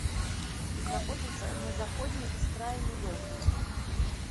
Знаходзіцца на заходняй ускраіне вёскі.